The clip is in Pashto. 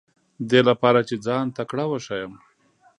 دې لپاره چې ځان تکړه وښیم.